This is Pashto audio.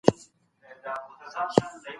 پخوا خلکو په ډېرو علومو کې زده کړه کوله.